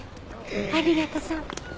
ありがとさん。